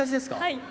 はい。